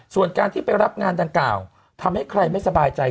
ส่วนการที่ไปรับงานดังกล่าวทำให้ใครไม่สบายใจ